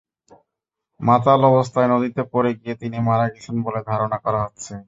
মাতাল অবস্থায় নদীতে পড়ে গিয়ে তিনি মারা গেছেন বলে ধারণা করা হচ্ছে।